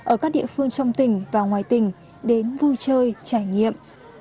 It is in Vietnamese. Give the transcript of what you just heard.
ở các địa phương trong tỉnh và ngoài tỉnh đến vui chơi trải nghiệm